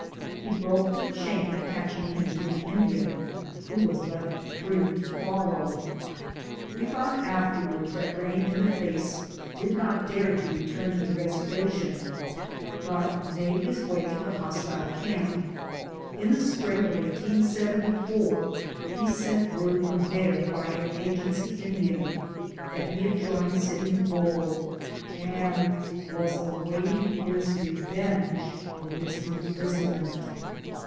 He broke the chain attaching him to the Indian, who was left free to follow. We found afterwards that Rain in the face did not dare to return to the reservation, but made his way to the CAPTURE AND ESCAPE OF RAIN IN THE FACE. 215 hostile camp. In the spring of 1874 lie sent word from there by an Agency Indian that he had joined Sitting Bull, and was awaiting his revenge for his imprison ment.